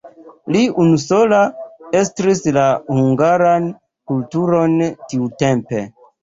Li unusola estris la hungaran kulturon tiutempe.